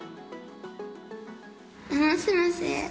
もしもし？